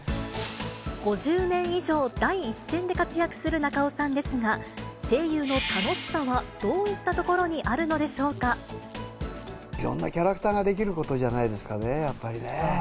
５０年以上、第一線で活躍する中尾さんですが、声優の楽しさはどういったところにあるのでしいろんなキャラクターができることじゃないですかね、やっぱりね。